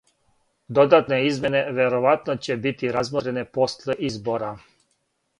Додатне измене вероватно ће бити размотрене после избора.